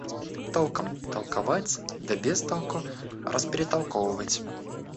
Толком толковать, да без толку расперетолковывать.